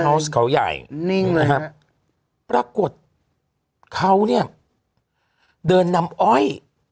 เกอร์ฮาวส์เขาใหญ่นิ่งเลยนะฮะปรากฏเขาเนี้ยเดินนำอ้อย